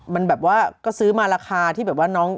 มันแบบว่าก็ซื้อมาราคาที่แบบว่าน้อง